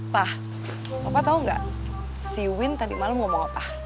pah papa tau gak si win tadi malem ngomong apa